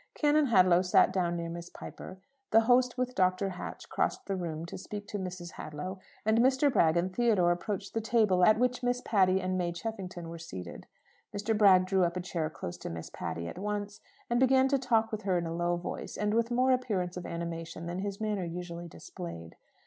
Canon Hadlow sat down near Miss Piper; the host with Dr. Hatch crossed the room to speak to Mrs. Hadlow, and Mr. Bragg and Theodore approached the table, at which Miss Patty and May Cheffington were seated. Mr. Bragg drew up a chair close to Miss Patty at once, and began to talk with her in a low voice, and with more appearance of animation than his manner usually displayed.